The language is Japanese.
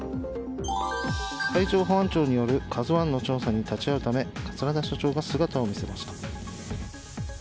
海上保安庁による「ＫＡＺＵ１」の調査に立ち会うため桂田社長が姿を見せました。